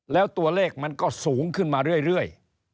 แล้วตัวเลขมันก็สูงขึ้นมาเรื่อย